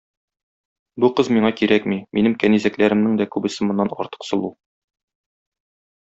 Бу кыз миңа кирәкми, минем кәнизәкләремнең дә күбесе моннан артык сылу.